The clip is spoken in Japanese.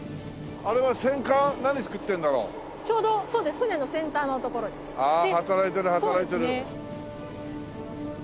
ああ働いてる働いてる。